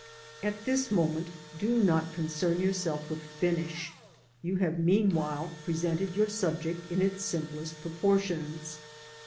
At this moment, do not concern yourself with finish ; you have meanwhile presented your subject in its simplest proportions.